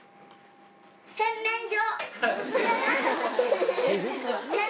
洗面所。